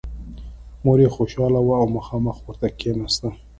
مور یې خوشحاله وه او مخامخ ورته کېناسته